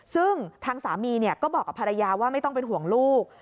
ซึ่งทางสามีก็บอกกับภรรยาว่าไม่ต้องเป็นห่วงลูก